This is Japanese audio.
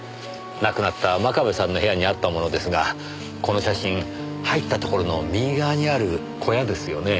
亡くなった真壁さんの部屋にあったものですがこの写真入ったところの右側にある小屋ですよね。